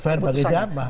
fair bagi siapa